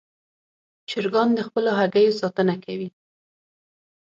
چرګان د خپلو هګیو ساتنه کوي.